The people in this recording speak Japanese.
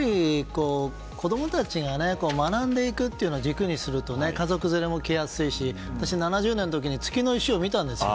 子供たちが学んでいくというのを軸にすると家族連れも来やすいしそして７０年の時に月の石を見たんです。